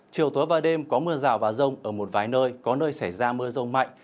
chiều tối và đêm có mưa rào và rông ở một vài nơi có nơi xảy ra mưa rông mạnh